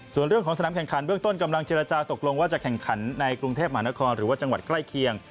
ส่วนเรื่องของสนามแข่งขันเบื้องต้นกำลังเจรจาตกลงว่าจะแข่งขันในกรุงเทพมหานครหรือว่าจังหวัดใกล้เคียง